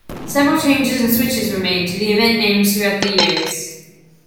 Several changes and switches were made to the event names throughout the years.